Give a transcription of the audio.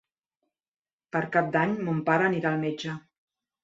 Per Cap d'Any mon pare anirà al metge.